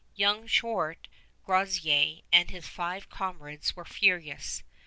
Young Chouart Groseillers and his five comrades were furious.